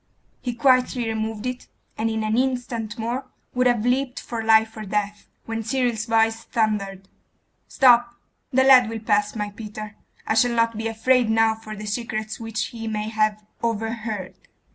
He quietly removed it, and in an instant more would have leapt for life or death, when Cyril's voice thundered 'Stop!' 'The lad will pass, my Peter. I shall not be afraid now for the secrets which he may have overheard.